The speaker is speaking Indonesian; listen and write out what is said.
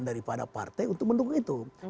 daripada partai untuk mendukung itu